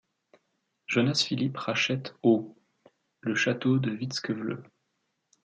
Jonas-Philip rachète au le Château de Vittskövle.